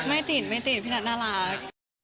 ไม่ติดไม่ติดพี่นัทน่ารัก